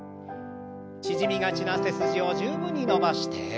縮みがちな背筋を十分に伸ばして。